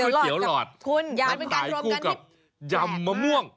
ค่ะเตี๋ยวหลอดหายคู่กับยำมะม่วง